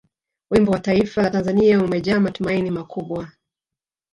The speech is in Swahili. wimbo wa taifa la tanzania umejaa matumaini makubwa